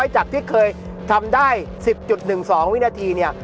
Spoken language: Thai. จากที่เคยทำได้๑๐๑๒วินาทีเนี่ย